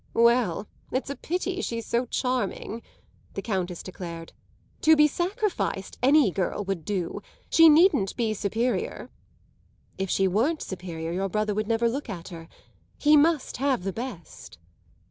"Well, it's a pity she's so charming," the Countess declared. "To be sacrificed, any girl would do. She needn't be superior." "If she weren't superior your brother would never look at her. He must have the best."